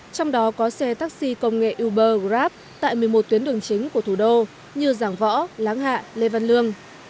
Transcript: trong đó có xe taxi công nghệ uber grab tại một mươi một tuyến đường chính của thủ đô như giảng võ láng hạ lê văn lương